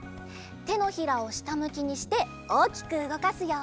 てのひらをしたむきにしておおきくうごかすよ。